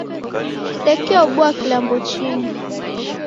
Kusekeobua kilambo chingi